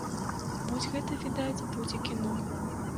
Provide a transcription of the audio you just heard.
Вось гэта, відаць, будзе кіно!